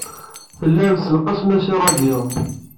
Tellam tessenqasem-as i ṛṛadyu.